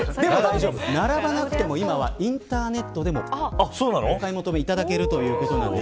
並ばなくても今は、インターネットでもお買い求めいただけるということなんです。